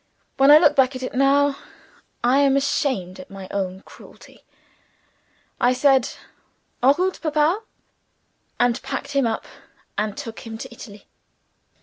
When I look back at it now, I am amazed at my own cruelty. I said, "En route, Papa!" and packed him up, and took him to Italy.